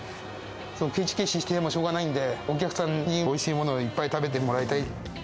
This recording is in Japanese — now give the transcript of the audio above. けちけちしてても、しょうがないんで、お客さんにおいしいものをいっぱい食べてもらいたい。